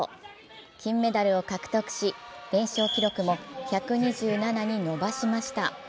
金メダルを獲得し、連勝記録も１２７に伸ばしました。